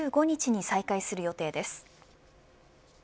１５日に再開する予定です。